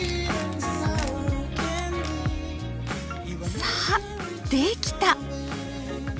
さあできた！